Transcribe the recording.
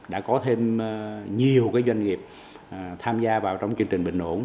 đã có thêm nhiều doanh nghiệp tham gia vào trong chương trình bình ổn